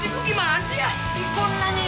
bukan dia belum jauh